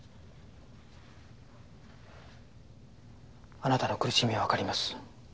あなたの苦しみはわかります。